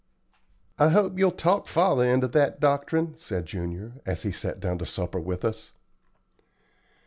"I hope you'll talk father into that doctrine," said Junior, as he sat down to supper with us.